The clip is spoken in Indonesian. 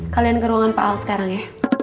kalian ke ruangan pak al sekarang ya